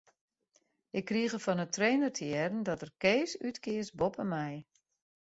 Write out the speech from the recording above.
Ik krige fan 'e trainer te hearren dat er Kees útkeas boppe my.